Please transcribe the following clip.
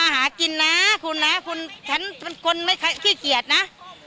หากินนะคุณนะคุณฉันเป็นคนไม่ขี้เกียจนะ